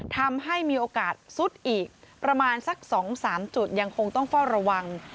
ทำให้มีโอกาสซุดอีกประมาณสัก๒๓จุดยังคงต้องเฝ้าระวัง